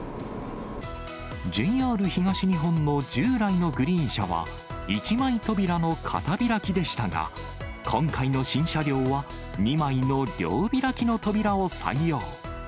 ＪＲ東日本の従来のグリーン車は、１枚扉の片開きでしたが、今回の新車両は、２枚の両開きの扉を採用。